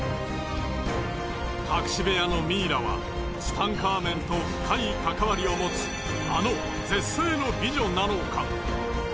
隠し部屋のミイラはツタンカーメンと深い関わりを持つあの絶世の美女なのか？